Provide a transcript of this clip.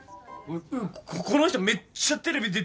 ここの人めっちゃテレビ出てるだろ。